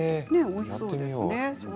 おいしそうですね。